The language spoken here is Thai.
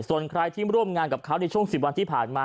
ส่วนใครที่ร่วมงานกับเขาในช่วง๑๐วันที่ผ่านมา